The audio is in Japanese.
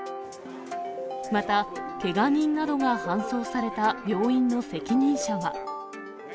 また、けが人などが搬送された病院の責任者は。